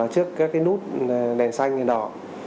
trước các nút đèn xanh đỏ